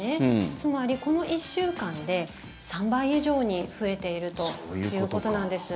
つまり、この１週間で３倍以上に増えているということなんです。